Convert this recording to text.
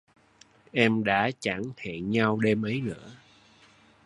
Em đã chẳng hẹn nhau đêm ấy nữa